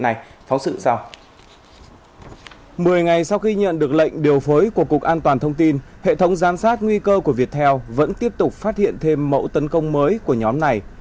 my sau khi nhận được lệnh điều phối của cục an toàn thông tin hệ thống giám sát nguy cơ của viettel vẫn tiếp tục phát hiện thêm mẫu tấn công mới của nhóm này